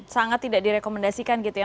sangat tidak direkomendasikan gitu ya